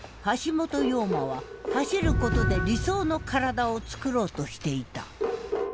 陽馬は走ることで理想の身体をつくろうとしていた。